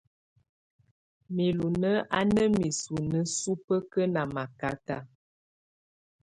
Mulunǝ́ á ná misunǝ́ subǝ́kǝ́ ná makátá.